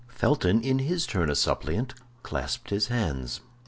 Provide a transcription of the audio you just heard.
Felton, in his turn a suppliant, clasped his hands.